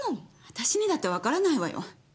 私にだってわからないわよ。